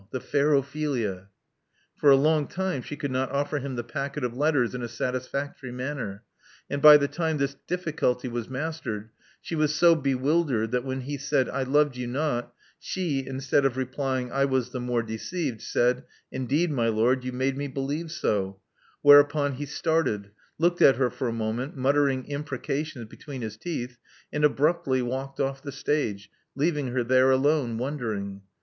The fair Ophelia." For a long time she could not offer him the packet of letters in a satis factory manner; and by the time this difficulty was mastered, she was so bewildered that when he said, I loved you not," she, instead of replying, I was the more deceived," said, * 'Indeed, my lord, you made me believe so," whereupon he started; looked at her for a moment, muttering imprecations between his teeth; and abruptly walked off the stage, leaving .her there alone, wondering.